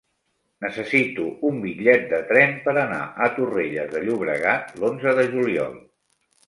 Necessito un bitllet de tren per anar a Torrelles de Llobregat l'onze de juliol.